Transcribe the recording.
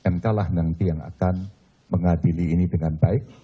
mk lah nanti yang akan mengadili ini dengan baik